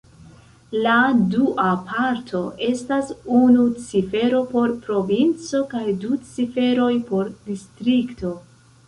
La dua parto estas unu cifero por provinco kaj du ciferoj por distrikto.